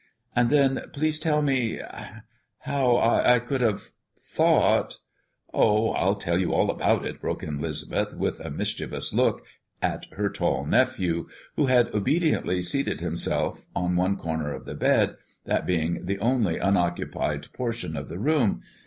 And then please tell me how how I could have thought" "Oh, I'll tell you all about it," broke in 'Lisbeth, with a mischievous look at her tall nephew, who had obediently seated himself on one corner of the bed, that being the only unoccupied portion of the room.